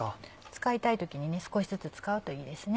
使いたい時に少しずつ使うといいですね。